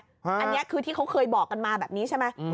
อันนี้คือที่เขาเคยบอกกันมาแบบนี้ใช่ไหม